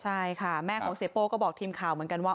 ใช่ค่ะแม่ของเสียโป้ก็บอกทีมข่าวเหมือนกันว่า